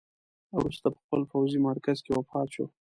وروسته په خپل پوځي مرکز کې وفات شو.